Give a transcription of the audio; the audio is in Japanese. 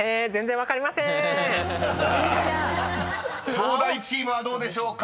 ［東大チームはどうでしょうか］